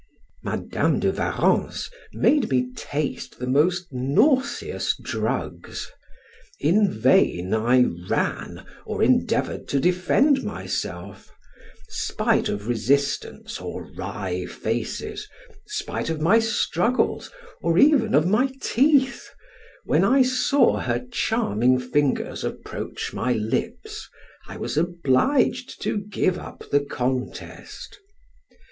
Madam de Warrens made me taste the most nauseous drugs; in vain I ran, or endeavored to defend myself; spite of resistance or wry faces, spite of my struggles, or even of my teeth, when I saw her charming fingers approach my lips, I was obliged to give up the contest.